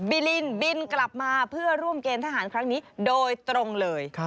ิลินบินกลับมาเพื่อร่วมเกณฑ์ทหารครั้งนี้โดยตรงเลย